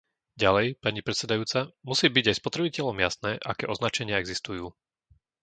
Ďalej, pani predsedajúca, musí byť aj spotrebiteľom jasné, aké označenia existujú.